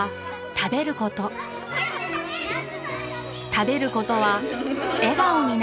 食べる事は笑顔になる事。